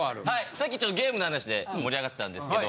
さっきちょっとゲームの話で盛り上がってたんですけど。